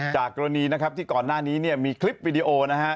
จากกรณีนะครับที่ก่อนหน้านี้เนี่ยมีคลิปวิดีโอนะฮะ